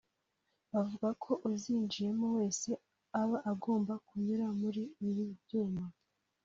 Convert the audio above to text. bavuga ko uzinjiyemo wese aba agomba kunyura muri ibi byuma